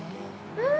うん！